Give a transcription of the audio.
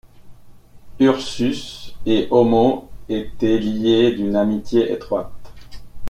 Ursus et Homo étaient liés d’une amitié étroite.